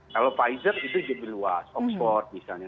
kalau pfizer itu lebih luas oxford misalnya